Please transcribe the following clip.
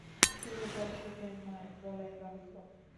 শুরুটা সুখের নয়, বলাই বাহুল্য।